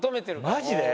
マジで？